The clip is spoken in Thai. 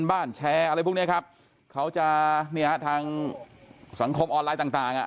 บ้านแชร์อะไรพวกเนี้ยครับเขาจะเนี่ยทางสังคมออนไลน์ต่างต่างอ่ะ